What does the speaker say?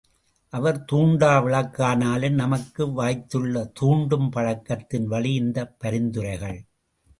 அவர் தூண்டா விளக்கானாலும் நமக்கு வாய்த்துள்ள தூண்டும் பழக்கத்தின் வழி இந்தப் பரிந்துரைகள்!